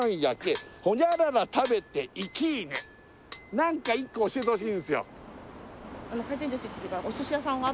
何か１個教えてほしいんすよ